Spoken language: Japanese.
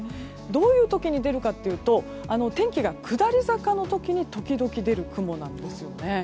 どういう時に出るかというと天気が下り坂の時に時々出る雲なんですよね。